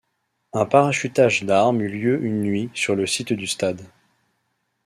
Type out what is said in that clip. Un parachutage d'armes eut lieu une nuit sur le site du stade.